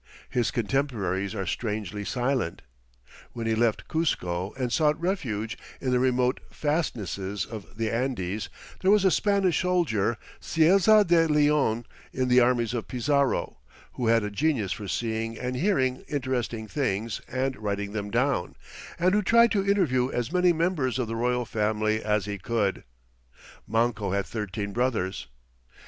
His contemporaries are strangely silent. When he left Cuzco and sought refuge "in the remote fastnesses of the Andes," there was a Spanish soldier, Cieza de Leon, in the armies of Pizarro who had a genius for seeing and hearing interesting things and writing them down, and who tried to interview as many members of the royal family as he could; Manco had thirteen brothers.